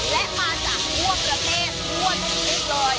และมาจากห้วงกระเมษห้วนพรุ่งนิดหน่อย